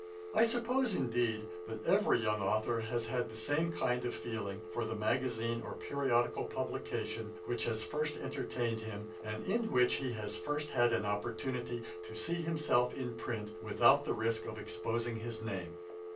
I suppose, indeed, that every young authour has had the same kind of feeling for the magazine or periodical publication which has first entertained him, and in which he has first had an opportunity to see himself in print, without the risk of exposing his name.